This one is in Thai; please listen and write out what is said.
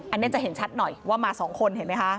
อันนี้จะเห็นชัดหน่อยว่ามา๒คนเห็นไหมคะ